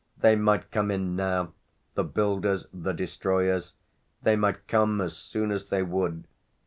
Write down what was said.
They might come in now, the builders, the destroyers they might come as soon as they would.